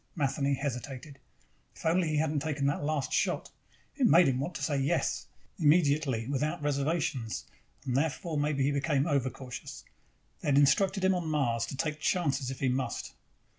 Matheny hesitated. If only he hadn't taken that last shot! It made him want to say yes, immediately, without reservations. And therefore maybe he became overcautious. They had instructed him on Mars to take chances if he must.